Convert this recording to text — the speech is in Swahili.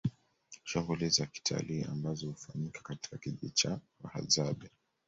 Shughuli za kitalii ambazo hufanyika katika kijiji cha Wahadzabe